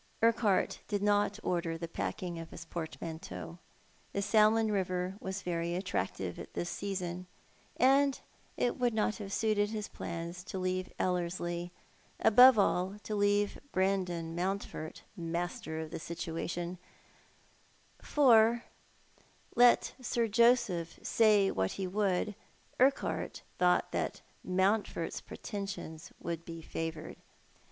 Urqubart did not order flie packing of bis portmanteau. The salmon river was very attractive at this season, and it would not have suited bis plans to leave Ellerslie, above all to leave Brandon Mountford master of the situation ; for let Sir Joseph say what he would, Urqubart thought that Mountford's preten sions \\ ould be favoured.